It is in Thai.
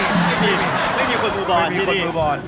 ไม่มีไม่มีคนดูบอลไม่มีดูบอล